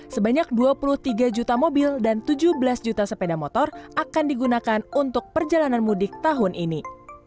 sebanyak dua puluh tiga juta mobil dan tujuh belas juta sepeda motor akan digunakan untuk perjalanan mudik tahun ini